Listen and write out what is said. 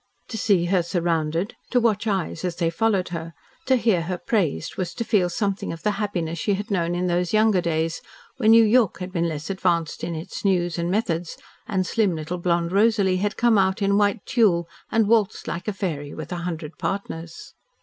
To see her surrounded, to watch eyes as they followed her, to hear her praised, was to feel something of the happiness she had known in those younger days when New York had been less advanced in its news and methods, and slim little blonde Rosalie had come out in white tulle and waltzed like a fairy with a hundred partners.